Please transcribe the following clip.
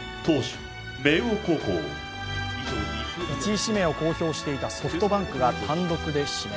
１位指名を公表していたソフトバンクが単独で指名。